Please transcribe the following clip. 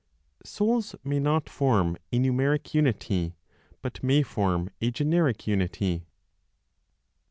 SOULS MAY NOT FORM A NUMERIC UNITY, BUT MAY FORM A GENERIC UNITY.